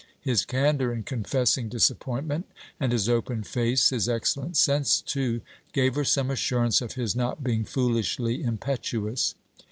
His candour in confessing disappointment, and his open face, his excellent sense too, gave her some assurance of his not being foolishly impetuous.